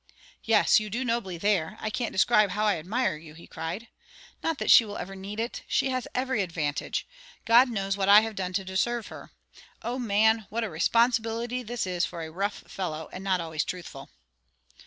"Yes, you do nobly there; I can't describe how I admire you," he cried. "Not that she will ever need it; she has had every advantage. God knows what I have done to deserve her. O man, what a responsibility this is for a rough fellow and not always truthful!"